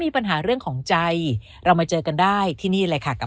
ปัญหาเรื่องของใจเรามาเจอกันได้ที่นี่เลยค่ะกับ